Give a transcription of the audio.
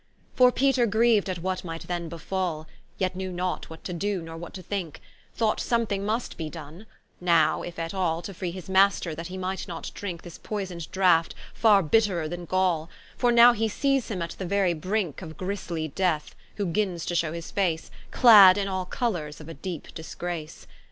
For Peter grieu'd at what might then befall, Yet knew not what to doe, nor what to thinke, Thought something must be done; now, if at all, To free his Master, that he might not drinke This poys'ned draught, farre bitterer than gall, For now he sees him at the very brinke Of griesly Death, who gins to shew his face, Clad in all colours of a deepe disgrace.